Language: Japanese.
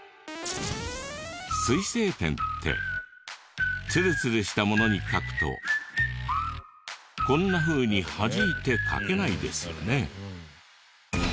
水性ペンってツルツルしたものに書くとこんなふうにはじいて書けないですよね。